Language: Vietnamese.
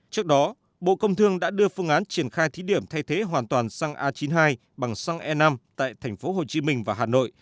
trước đó bộ công thương đã đưa phương án triển khai thí điểm thay thế hoàn toàn xăng a chín mươi hai bằng xăng e năm tại tp hcm và hà nội